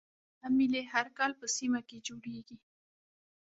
دا میلې هر کال په سیمه کې جوړیږي